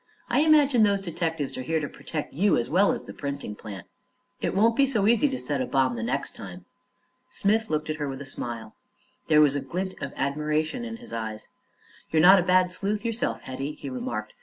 I imagine those detectives are here to protect you, as well as the printing plant. It won't be so easy to set a bomb the next time." Smith looked at her with a smile. There was a glint of admiration in his eyes. "You're not a bad sleuth yourself, Hetty," he remarked.